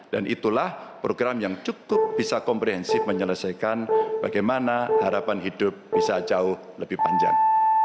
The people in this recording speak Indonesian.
dan itulah program yang cukup bisa komprehensif menyelesaikan bagaimana harapan hidup bisa jauh lebih panjang